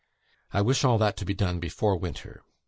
I wish all that to be done before winter.